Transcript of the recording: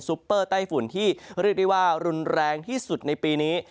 ปเปอร์ไต้ฝุ่นที่เรียกได้ว่ารุนแรงที่สุดในปีนี้